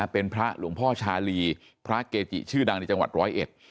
เป็นพระหลวงพ่อชาลีพระเกจิชื่อดังในจังหวัดร้อยเอ็ด